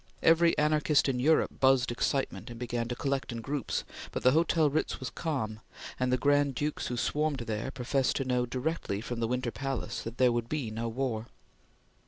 Every anarchist in Europe buzzed excitement and began to collect in groups, but the Hotel Ritz was calm, and the Grand Dukes who swarmed there professed to know directly from the Winter Palace that there would be no war.